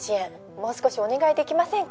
もう少しお願いできませんか？